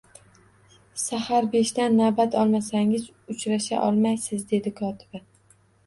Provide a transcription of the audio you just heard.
Sahar beshdan navbat olmasangiz, uchrasha olmaysiz, dedi kotiba